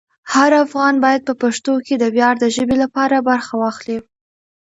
هر افغان باید په پښتو کې د ویاړ د ژبې لپاره برخه واخلي.